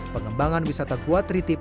pengembangan wisata gua tritip